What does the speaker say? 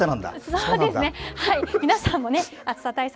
そうですね、皆さんも暑さ対策